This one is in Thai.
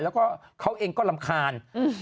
แล้วก็เขาเองก็รำคาญ